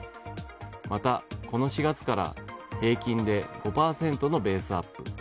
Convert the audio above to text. また、この４月から平均で５％のベースアップ。